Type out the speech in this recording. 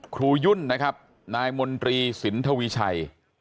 ยุ่นนะครับนายมนตรีสินทวีชัย